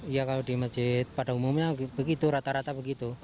ya kalau di masjid pada umumnya begitu rata rata begitu